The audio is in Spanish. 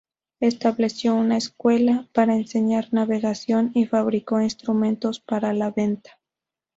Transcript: Estableció una escuela para enseñar navegación y fabricó instrumentos para la venta.